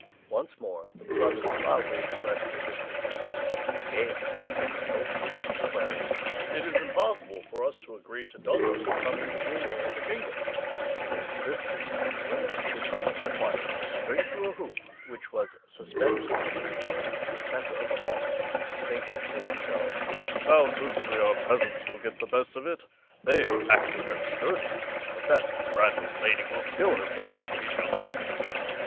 Once more the brothers loudly expressed their discontent, and gave the King no peace, declaring "It is impossible for us to agree to Dummling becoming ruler of the kingdom," and they insisted that the women should be required to spring through a hoop which was suspended from the ceiling in the centre of the hall, thinking to themselves "Now, certainly our peasants will get the best of it, they are active and sturdy, but that fragile lady will kill herself if she jumps."